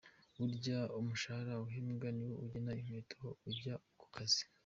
Burya umushahara uhembwa niwo ugena inkweto ujyana ku kazi.